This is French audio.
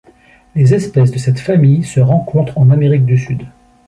Les espèces de cette famille se rencontrent en Amérique du Sud.